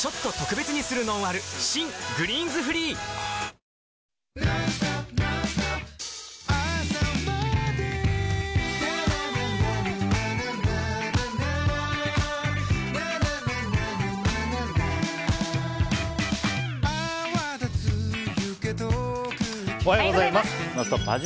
新「グリーンズフリー」おはようございます。